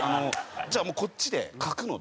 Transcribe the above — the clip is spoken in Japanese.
「じゃあもうこっちで書くので」。